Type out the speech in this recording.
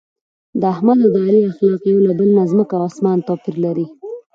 د احمد او علي اخلاق یو له بل نه ځمکه او اسمان توپیر لري.